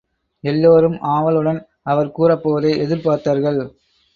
எல்லோரும் ஆவலுடன் அவர் கூறப்போவதை எதிர்பார்த்தார்கள்.